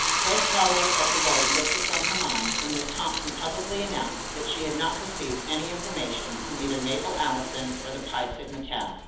Grace Harlowe felt a load lifted from her mind when Miss Thompson publicly announced that she had not received any information from either Mabel Allison or the Phi Sigma Tau.